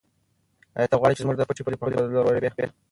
آیا ته غواړې چې زموږ د پټي پوله په خپل لور ورېبې؟